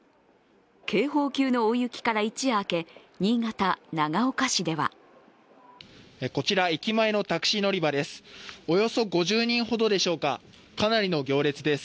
警報級の大雪から一夜明け、新潟・長岡市ではこちら、駅前のタクシー乗り場です。